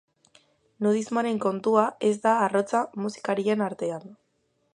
Nudismoaren kontua ez da arrotza musikarien artean.